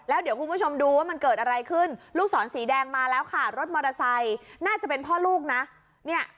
แล้วเดี๋ยวคุณผู้ชมดูว่ามันเกิดอะไรขึ้นลูกศรสีแดงมาแล้วค่ะรถมอเตอร์ไซค์น่าจะเป็นพ่อลูกนะเนี่ย